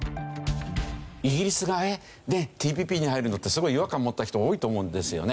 イギリスがねっＴＰＰに入るのってすごい違和感持った人多いと思うんですよね。